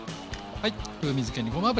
風味付けにごま油。